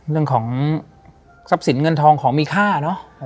เรื่องของทรัพย์สินเงินทองของมีค่าเนอะ